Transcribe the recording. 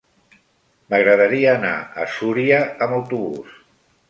M'agradaria anar a Súria amb autobús.